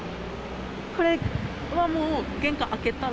これはもう、玄関開けたら？